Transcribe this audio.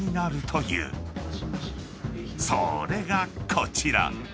［それがこちら］